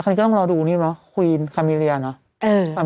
คันอีกก็ต้องรอดูนี่นะควีนคามิลียาเนอะ